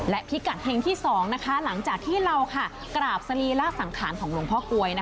และพิกัดเฮงที่๒หลังจากที่เรากราบสรีระสังขารของหลวงพ่อกลวย